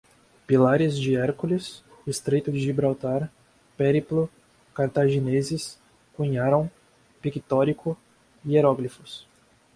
Pilares de Hércules, estreito de Gibraltar, périplo, cartagineses, cunharam, pictórico, hieróglifos